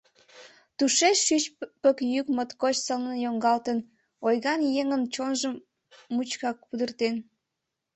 Тушеч шӱшпык йӱк моткоч сылнын йоҥгалтын, ойган еҥын чонжым мучкак пудыратен.